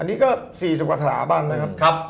อันนี้ก็๔๐กว่าสถาบันนะครับ